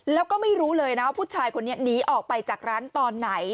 แล้วก็ไม่รู้เลยนะว่าผู้ชายคนนี้หนีออกไปจากร้านตอนไหน